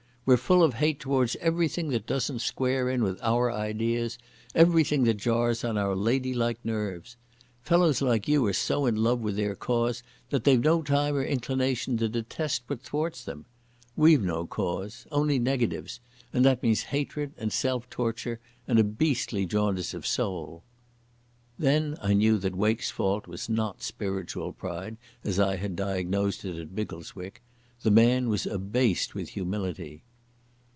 We're full of hate towards everything that doesn't square in with our ideas, everything that jars on our lady like nerves. Fellows like you are so in love with their cause that they've no time or inclination to detest what thwarts them. We've no cause—only negatives, and that means hatred, and self torture, and a beastly jaundice of soul." Then I knew that Wake's fault was not spiritual pride, as I had diagnosed it at Biggleswick. The man was abased with humility.